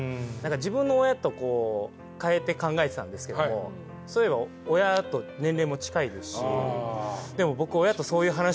自分の親と変えて考えてたんですけども親と年齢も近いですしでも僕。